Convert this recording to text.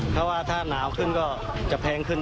เพราะว่าถ้าหนาวขึ้นก็จะแพงขึ้น